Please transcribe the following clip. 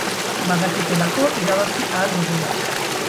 Badakitelako irabazi ahal dugula.